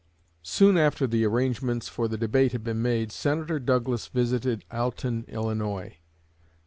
Soon after the arrangements for the debate had been made, Senator Douglas visited Alton, Illinois.